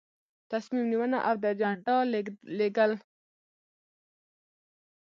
تصمیم نیونه او د اجنډا لیږل.